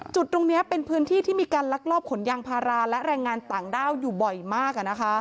จุดตรงนี้เป็นพื้นที่ที่มีการลักลอบขนยางพาราและแรงงานต่างด้าวอยู่บ่อยมาก